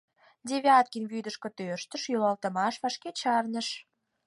Девяткин вӱдышкӧ тӧрштыш, йӱлалтымаш вашке чарныш.